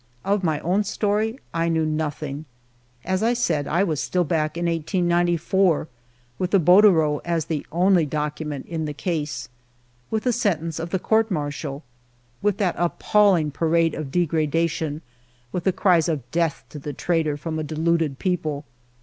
Of my own story I knew nothing. As I said, I was still back in 1894, with the bordereau as the only document in the case, with the sentence of the Court Martial, with that appalling parade of de gradation, with the cries of" Death to the traitor! " from a deluded people.